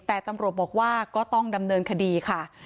แต่ตำรวจบอกว่าก็ต้องดำเนินคดีค่ะ